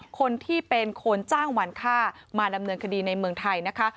คนที่เป็นคนจ้างหวานฆ่ามาดำเนินคดีในเมืองไทยนะคะ